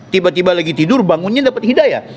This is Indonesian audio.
tiba tiba lagi tidur bangunnya dapat hidayah